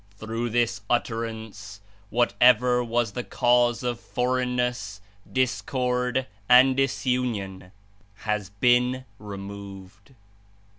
Through this Utterance whatever was the 107 cause of forelgnness, discord and disunion, has been removed."